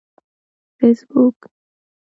فیسبوک